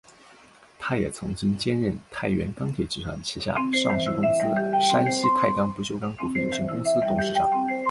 他也曾经兼任太原钢铁集团旗下上市公司山西太钢不锈钢股份有限公司董事长。